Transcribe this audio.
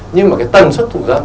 nhưng mà cái tần suất thủ dâm